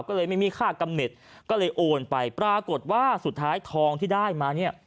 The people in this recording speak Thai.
ก็เลยไม่มีค่ากำเน็ตก็เลยโอนไปปรากฏว่าสุดท้ายทองที่ได้มาเนี่ย